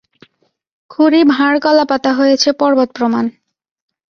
খুরি ভাঁড় কলাপাতা হয়েছে পর্বতপ্রমাণ।